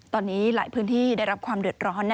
ตอนนี้หลายพื้นที่ได้รับความเดือดร้อน